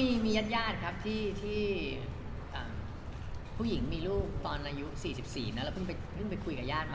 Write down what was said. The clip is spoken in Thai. มีญาติครับที่ผู้หญิงมีลูกตอนอายุ๔๔นะเราเพิ่งไปคุยกับญาติมา